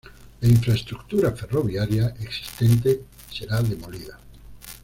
La infraestructura ferroviaria existente será demolida.